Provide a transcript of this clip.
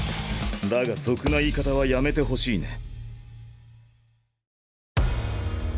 だが俗な言い方はやめてほしいね。